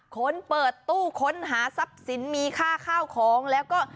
ค้นเปิดตู้ค้นหาทรัพย์สินมีค่าข้าวของแล้วก็